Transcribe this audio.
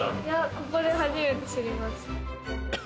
ここで初めて知りました。